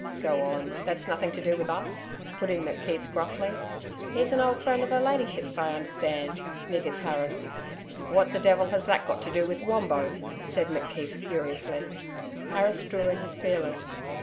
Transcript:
'Go on that's nothing to do with us,' put in McKeith gruffly. 'He's an old friend of her Ladyship's, I understand,' sniggered Harris. 'What the devil has that got to do with Wombo?' said McKeith furiously. Harris drew in his feelers.